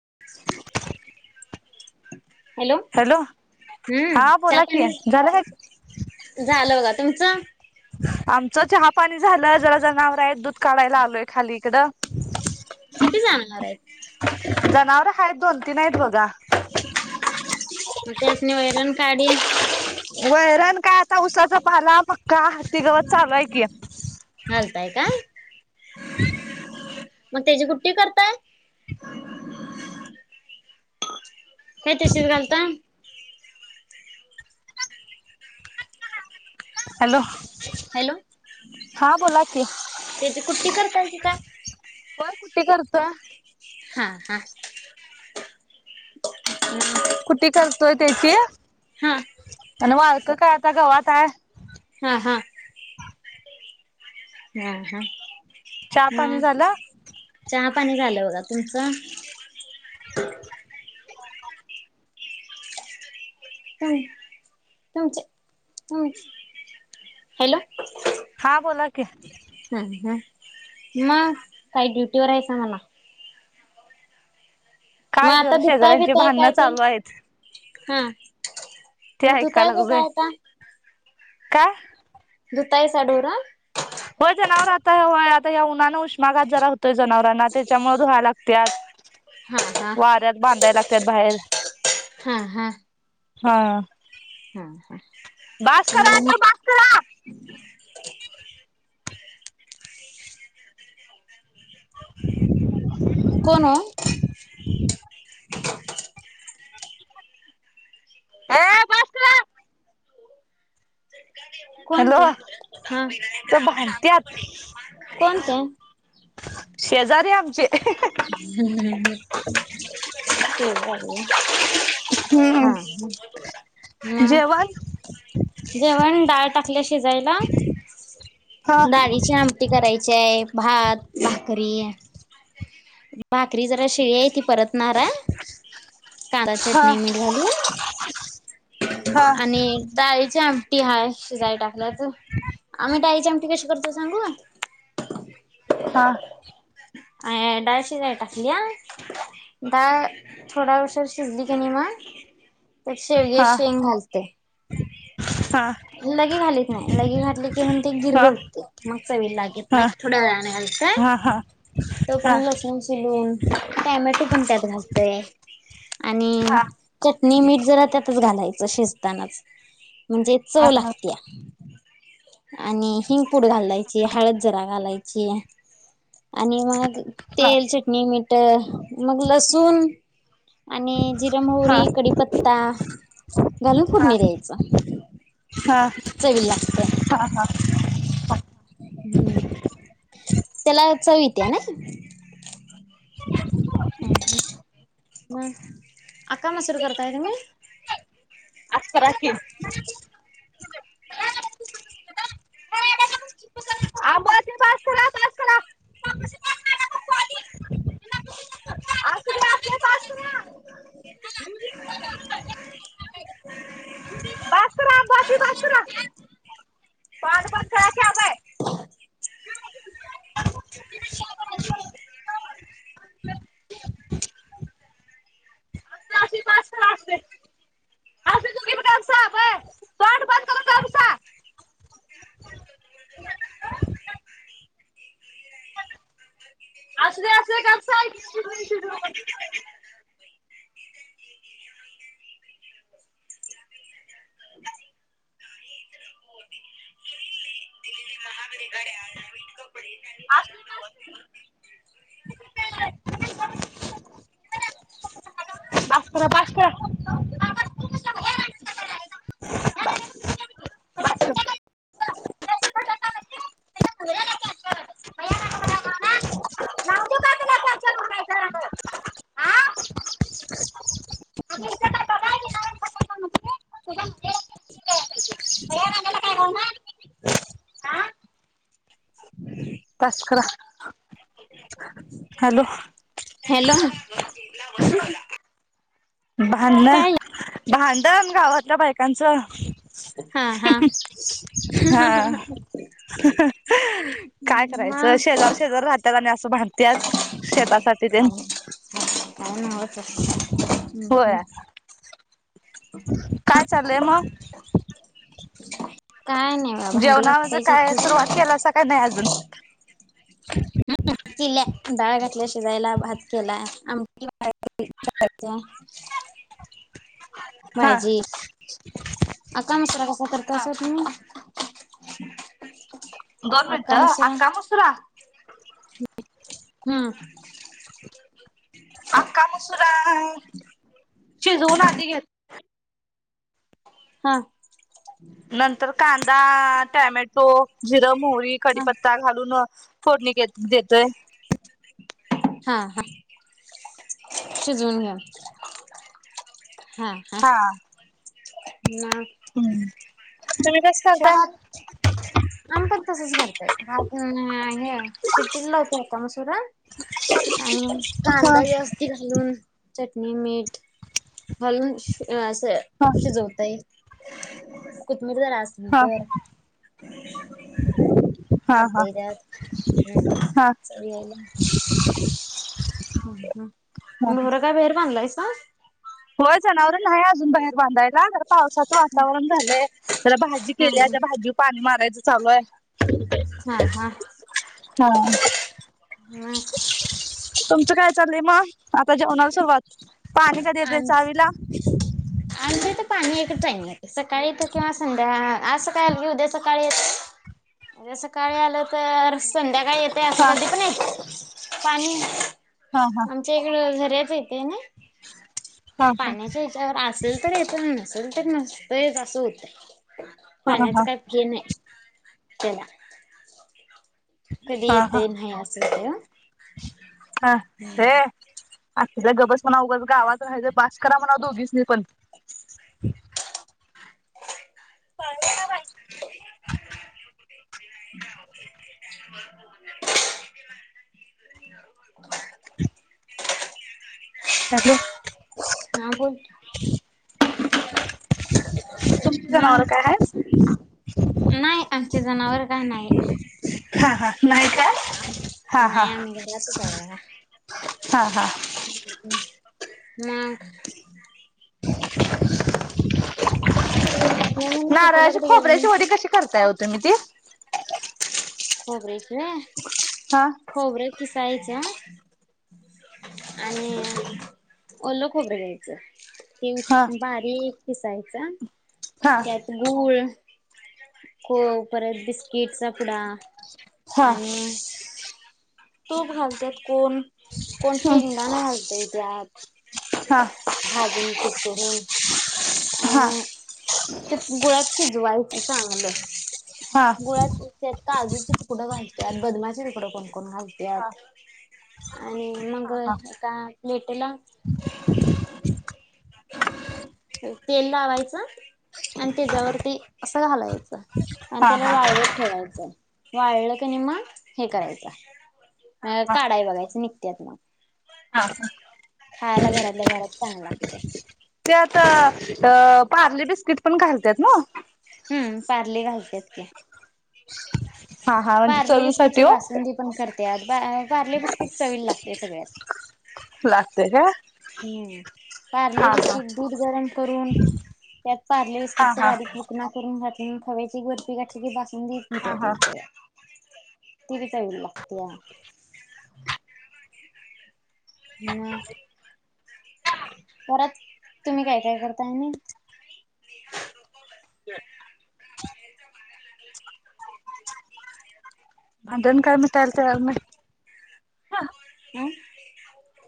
[inaudible] Hello हम्म हा बोला की चापानी झालं काय झालं बघा, तुमचं? आमचं चहापाणी झालं, जरा जनावरं आहेत दूध काढायला आलोय खाली इकडं. किती जाणणार आहेत? दोन-तीन आहेत बघा. म त्यासनी वैरण काडी वैरण काय आता उसाचा पाला पक्का, हत्ती गवात चालूयं की. घालताय का? [inaudible] मग तेची कुट्टी करताय? हे तशीच घालता? हॅलो हॅलो हा बोला की त्याची कुट्टी करता की काय होय कुट्टी करतोय. हा हा कुट्टी करतोय त्याची हा आणि वाळकं काय आता गवात हाय. हा हा. हा हा चहा पाणी म झालं चहा पाणी झालं बघा, तुमचं? तुम तुमचे तुम् हॅलो हा बोला की. हम ह म काय ड्युटीवर हायसा म्हणा. मग काय आता जरा धुतांय शेजाऱ्यांची भीतांय भांडणं काय ते? चालू आहेत हा ते मग ऐका धुताय कसं लागलोय आता? काय? धुताईसा डोरं होय जनावर आता आता या उन्हानं उष्माघात जरा होतोय जनावरांना त्याच्यामुळं धुयाय लागत्यात. हा हा. तर बाहेर हा हा हा हा हा बासं करा आता बासं करा. [inaudible] कोण? [inaudible] ये बास करा. कोण हॅलो ते हा तर भांडत्यात कोण ते? [inaudible] शेजारे आमचे हम्म हम् हम् स अ. हम्म हा ह जेवण जेवण डाळ ल्या शिजायला हा डाळीची आमटी करायचे आहे भात. भाकरी भाकरी जरा शिव्या आहेती. परतणार आहे कांदा हा चटणी मीठ घालून. हा आणि डाळीची आ. हाय शिजाई टाकला तर आम्ही डाळीची आमटी कशी करतो सांगू. हा. अं डाळ शिजाय टाकल्या. डाळ थोडा उशीर शिजली कणी मग तर शेवग्याची हा शेंग घालते. हा. लगे घालीत नाही लगे घातले की मग ते गिर्र हा होते मग चवी लागेत हा नाही थोड्या वेळाने हा हा. हा तोपर्यंत पण लसूण शिलून टोमॅटो पण त्यात घाल. आणि हा चटणी मीठ जरा त्यातच घालायचं शिजतानाच. म्हणजे चव लागते आणि हिंगपूड घालायची हळद जरा घालायची. आणि मग हा हा तेल चटणी मीठ मग लसूण आणि जिरं मोहरी हा कढीपत्ता घालून फोडणी हा चवील लागते. [inaudible] त्याला चव येत्या नाय. [inaudible] हम अक्का मसूर करताय तुम्ही आज करा की अ पास पास. [inaudible] बास करा. पाठ पण करा की आबा ह. असुद्या असू दे गप्प बसा. [inaudible] [inaudible] बास करा बास करा. [inaudible] [inaudible] तचकरा. हॅलो. भांडण काय भांडण गावातल्या बायकांच. हा हा. हा काय करायचं मग शेजार शेजार राहतात आणि असं भांडतत शेतासाठी ते काही काही नावत हम्म हम्. होय काय चालय मग काय नाही बा भांडी जेवणाचं घसायची काय सुरुवात केलासा काय नाही थोडी अजून ह तिल्या डाळ घातल्या शिजायला भात केला आम करायचं. हा भाजी अका मसुरा कसा करत असा तुम्ही [inaudible] दोन मिनिट हा अका मसुरा हम आ काम असल. [inaudible] शिजवून आधी घेत हा. नंतर कांदा, टॅमॅटो, जिरं, मोहरी, हा कडीपत्ता घालून फोडणीे देत देतय. हा हा. शिजून घ्याल. हा हा. ना. हम्म तुम्ही कस करताय. आम्ही पण तसच करतय वाफ देउन हे शिट्टच लावते मसुरा आणि हा कांदा वस्ती घालून चटणी मीठ घालून अस हा शिजवता ये. मरध हा राजसनकर हा हा हा [unintelligible] [unintelligible] ह ह हा जनावर काय बाहेर बनलायसा. होय जनावरला हाहे अजून बाहेर बांधाय. ह जरा पावसाचं वातावरण झालंय जरा भाजी हा केली त्या भाजीवर पाणी मारायचं चालूये. हा हा. हा. मग तुमचं काय चाललंय मग आता जेवणाला सुरुवात पाणी कधी येते आमच चावीला. आमच्या ईथ पाणी एक टाम येत सकाळी येत किंवा संध्या आज सकाळ की उद्या सकाळी येत. म्हणजे सकाळी आलं तर संध्याकाळी येत ते हा असं कधी पण येत पाणी हा हा आमच्या इकड झरे येते ना हा हा पाण्याच्या हच्यावर असेल तर येत असल तर नसत येत असं होतय हा पाण्याच काय फ्री नाय. चला. कधी हा येत हा नाही अस असते. अ् गबस म्हणा उगंच गावात राहायचं बास करा म्हणा दोघीसनी पण. कळव ना बाई. [inaudible] [inaudible] हॅलो हा बोल. तुमच मग जनावर काय हाहेस. नाही आमचे जनावर काय नाही. हा हा. नाही काय? हा हा नाही आम्ही हा हा [unintelligible] ना. [inaudible] [unintelligible] महिन्यात सुट्टीला नाराळाची कुठे गेला खोबऱ्याची नाहीस वडी कशी करताय ओ तुम्ही ती. खोबरे किवा हा खोबरे किसायच, आणि ओल खोबरं घ्यायचं. ते उष हा बारीक कीसायच हा त्यात गूळ को परत बिस्किटचा पुडा हा आणि तो घालत्यात. कोण कोण हम्म शंगदाण घालतय त्यात. हा भाजून कुठून. हा आणि ते गुळाात शिजवायचं चांगलं. हा. गुळात काजूचे तुकडं घासतात बदमाचे तुकडं कोण कोण घासतात आणि मग हा हा हा एका प्लेटीला तेल लावायचं आणि त्याच्यावरती असं घालायचं आणि हा त्याला हा हा वाळवत ठेवायचं. वाळलं क नई मग हे करायचं. अ हा काढाय बघायच निघत्यात मग हा हा खायला घरातल्या घरात चांगल लागतंय त्या त अ पार्ले बिस्किट पण घालतात ना हम्म पार्ले घालत्यात की. हा हा म्हणजे पार्ले बिस्किटची चवीसाठी ओ. बासुंदी पण करत्यात. पार्ले बिस्किट चवील लागते सगळ्यात लागतय काय? हम्म पारले हा हा बिस्कीट दूध गरम करून त्यात पार्ले बिस्किट चा हा बारीक मुकना करून ह्यात खव्याची बर्फी घातली की बासुंदी हा हा होत्याती तयार. तिरीचवील लागतेया हम् बऱ्यात. तुम्ही काय काय करताय ना भांडण काय मिटायल तयार न्हाय. ह अम?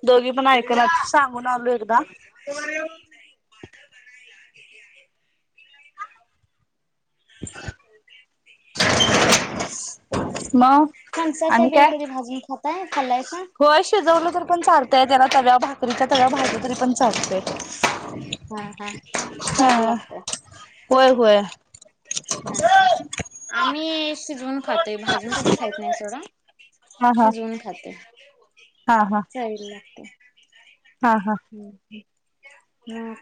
दोघी पण ऐकनायेत सांगून आलो एकदा [unintelligible] मग फणसाच्या आणि् बिया काय कधी भाजून खाताय खाल्लायसा हो शिजवलं तरी पण चारतय त्याला तव्या भाकरीच्या तव्या भाजल्या तरी पण चारतय हा हा चांगलं लागतं होय होय ना ह आम्ही शिजवून खातोय भाजून कधी खात नाही सोडा. हा हा शिजवून खात. हा हा जड लागतं. हा हा हम्म. हम्म. म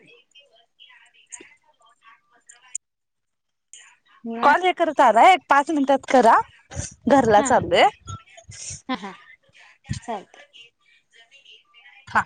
मग कॉल हे करत आलाय, पाच मिनिटात करा घरला चाललोय. चालते हा